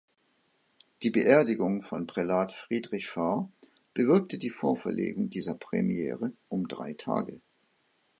Die Beerdigung von Prälat Friedrich Fahr bewirkte die Vorverlegung dieser Premiere um drei Tage.